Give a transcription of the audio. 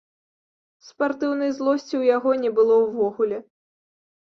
Спартыўнай злосці ў яго не было ўвогуле.